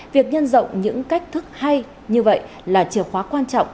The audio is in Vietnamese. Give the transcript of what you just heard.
việc nhân rộng những cách thức hay như vậy là chìa khóa quan trọng